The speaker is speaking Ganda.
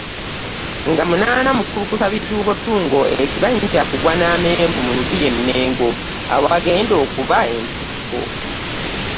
Nga munaana Mukulukusabitungotungo, ekibanyi Kya kugwa n'amenvu mu Lubiri e Mmengo awagenda okuba entikko